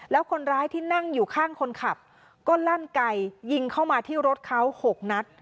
แล้วคนร้ายที่นั่งอยู่ข้างคนขับก็ลั่นไก่ยิงเข้ามาที่รถเขา๖นัด